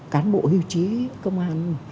cán bộ hưu trí công an